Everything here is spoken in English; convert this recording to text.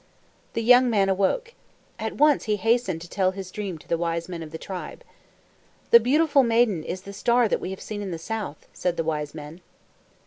The young man awoke. At once he hastened to tell his dream to the wise men of the tribe. "The beautiful maiden is the star that we have seen in the south," said the wise men.